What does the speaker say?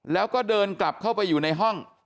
แล้วก็เดินกลับเข้าไปอยู่ในห้อง